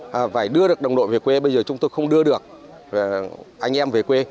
và phải đưa được đồng đội về quê bây giờ chúng tôi không đưa được anh em về quê